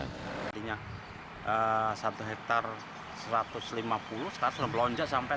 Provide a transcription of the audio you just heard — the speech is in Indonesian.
tadinya satu hektare satu ratus lima puluh sekarang sudah melonjak sampai enam ratus